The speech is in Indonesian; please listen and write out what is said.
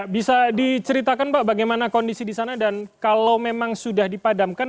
bisa diceritakan pak bagaimana kondisi di sana dan kalau memang sudah dipadamkan